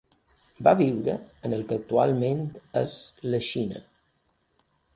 Va viure en el que actualment és la Xina.